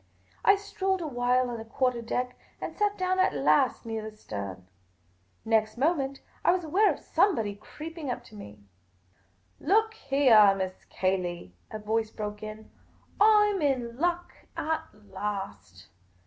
I strolled a while on the quarter deck, and sat down at last near the stern. Next moment, I was aware of somebody creeping up to me. " Look heah. Miss Cayley," a voice broke in ; "I 'm in luck at last